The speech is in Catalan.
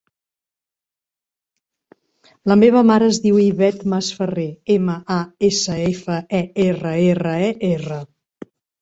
La meva mare es diu Ivette Masferrer: ema, a, essa, efa, e, erra, erra, e, erra.